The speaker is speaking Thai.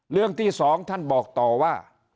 เรื่องที่๒ท่านบอกต่อว่า